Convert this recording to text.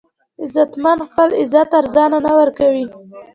غیرتمند خپل عزت ارزانه نه ورکوي